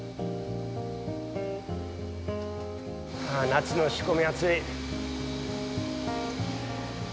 夏の仕込み暑い。